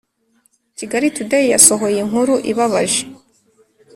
Kigali today yasohoye inkuru ibabaje